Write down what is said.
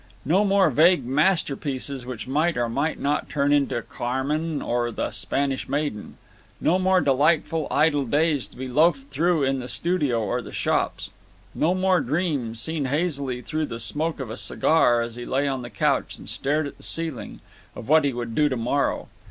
No more vague masterpieces which might or might not turn into "Carmen" or "The Spanish Maiden." No more delightful idle days to be loafed through in the studio or the shops. No more dreams, seen hazily through the smoke of a cigar, as he lay on the couch and stared at the ceiling, of what he would do to morrow.